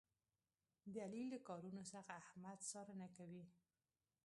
د علي له کارونو څخه احمد څارنه کوي.